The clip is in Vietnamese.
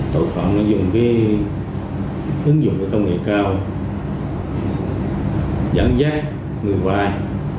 tổng phòng nó dùng cái ứng dụng công nghệ cao dẫn dắt người vay